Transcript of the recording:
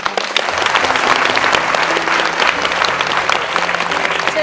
ชื่นใจจ้ะ